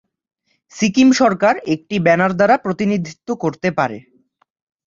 সিকিম সরকার একটি ব্যানার দ্বারা প্রতিনিধিত্ব করতে পারে।